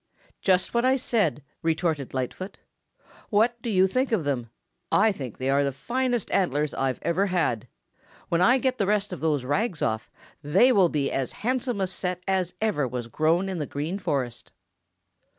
"Just what I said," retorted Lightfoot. "What do you think of them? I think they are the finest antlers I've ever had. When I get the rest of those rags off, they will be as handsome a set as ever was grown in the Green Forest."